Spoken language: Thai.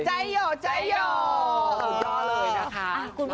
ใจโยใจโยสุดยอดเลยนะคะ